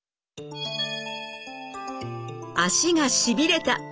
足がしびれた。